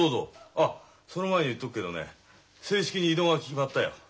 あその前に言っとくけどね正式に異動が決まったよ。